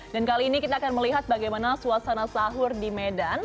dan kali ini kita akan melihat bagaimana suasana sahur di medan